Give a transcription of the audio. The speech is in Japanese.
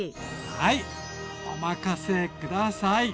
はいお任せ下さい！